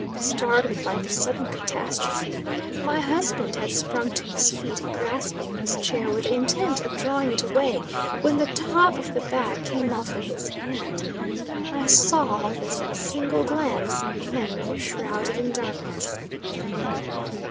Startled by this sudden catastrophe, my husband had sprung to his feet, grasping his chair with the intent of drawing it away, when the top of the back came off in his hand. I saw all this at a single glance and then we were shrouded in darkness.